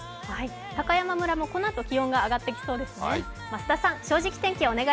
高山村もこのあと気温が上がってきそうですね。